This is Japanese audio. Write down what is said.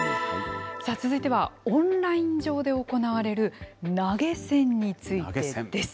さあ、続いてはオンライン上で行われる、投げ銭についてです。